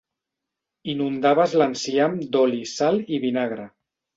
Inundaves l'enciam d'oli, sal i vinagre.